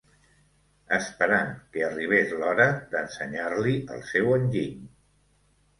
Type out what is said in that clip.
...esperant que arribés l'hora d'ensenyar-li el seu enginy.